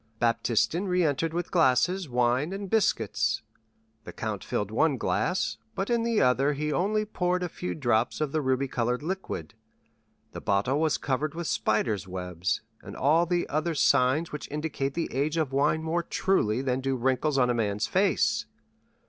Baptistin re entered with glasses, wine, and biscuits. The count filled one glass, but in the other he only poured a few drops of the ruby colored liquid. The bottle was covered with spiders' webs, and all the other signs which indicate the age of wine more truly than do wrinkles on a man's face.